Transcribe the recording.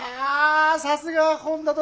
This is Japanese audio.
さすがは本多殿。